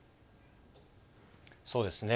そうですね。